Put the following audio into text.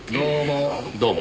どうも。